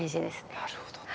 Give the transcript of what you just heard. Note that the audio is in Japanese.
なるほどね。